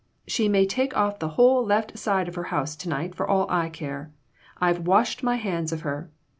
She may take off the whole left side of her house to night for all I care. I've washed my hands of her.